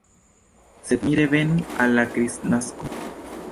Sed mi revenu al la Kristnasko.